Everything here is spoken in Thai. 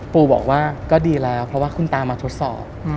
ปู่บอกว่าก็ดีแล้วเพราะว่าคุณตามาทดสอบ